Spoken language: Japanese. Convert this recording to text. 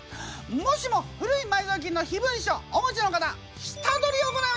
もしも古い埋蔵金の秘文書お持ちの方下取りを行いましょう。